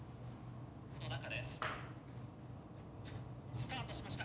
「スタートしました！